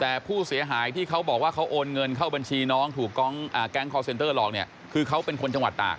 แต่ผู้เสียหายที่เขาบอกว่าเขาโอนเงินเข้าบัญชีน้องถูกแก๊งคอร์เซ็นเตอร์หลอกเนี่ยคือเขาเป็นคนจังหวัดตาก